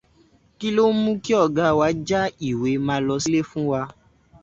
Kí ló mú kí ọ̀gá já ìwé ma lọ sílé fún wa?